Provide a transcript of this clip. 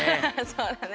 そうだね。